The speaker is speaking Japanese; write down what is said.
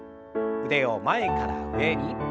腕を前から上に。